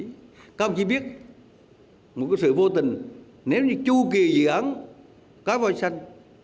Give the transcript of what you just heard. các ông chí biết một cái sự vô tình nếu như chu kỳ dự án có voi xanh